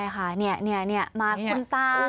ใช่ค่ะมาคุณตา